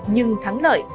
nhưng thắng lợi